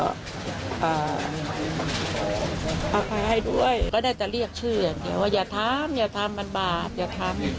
เอาใครให้ด้วยก็ได้จะเรียกชื่ออย่างเดียวว่าอย่าทำอย่าทำมันบาปอย่าทำ